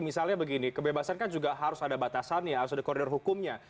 misalnya begini kebebasan kan juga harus ada batasannya harus ada koridor hukumnya